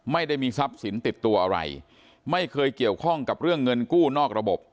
ไม่ได้มีทรัพย์สินติดตัวอะไรไม่เคยเกี่ยวข้องกับเรื่องเงินกู้นอกระบบ